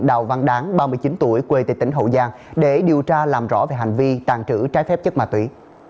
đào văn đáng ba mươi chín tuổi quê tại tỉnh hậu giang để điều tra làm rõ về hành vi tàn trữ trái phép chất ma túy